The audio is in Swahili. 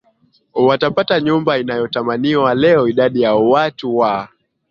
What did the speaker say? watapata nyumba inayotamaniwa Leo idadi ya watu wa